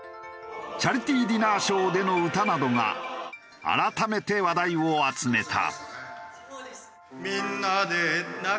チャリティーディナーショーでの歌などが改めて話題を集めた。